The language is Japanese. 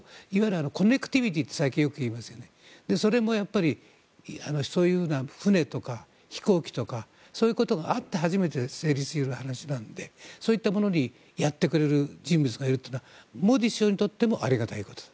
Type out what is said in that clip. コネクティビティーと最近いいますがそれもそういうような船とか飛行機がそういうことがあって初めて成立するような話なのでそういったものにやってくれる人物がいるのはモディ首相にとってもありがたいです。